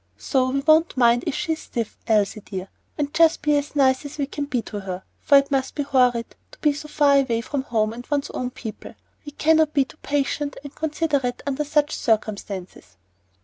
So we won't mind if she is stiff, Elsie dear, and just be as nice as we can be to her, for it must be horrid to be so far away from home and one's own people. We cannot be too patient and considerate under such circumstances."